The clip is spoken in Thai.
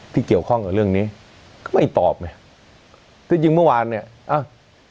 ที่เกี่ยวข้องกับเรื่องนี้ก็ไม่ตอบไงที่จริงเมื่อวานเนี้ยอ้าว